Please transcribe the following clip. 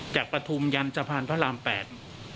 จากปทุมยันทรรพาลพระราม๘